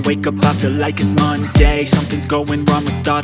aku tahu kau bilang ke temanmu